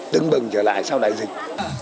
tưng bừng trở lại sau đại dịch